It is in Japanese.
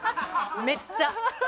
めっちゃ。